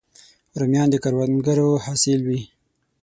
رومیان د کروندګرو حاصل وي